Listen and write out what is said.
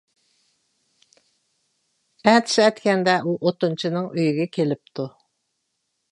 ئەتىسى ئەتىگەندە، ئۇ ئوتۇنچىنىڭ ئۆيىگە كېلىپتۇ.